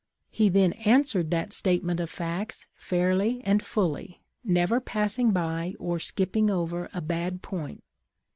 He then answered that statement of facts fairly and fully, never passing by or skipping over a bad point.